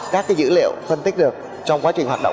các dữ liệu phân tích được trong quá trình hoạt động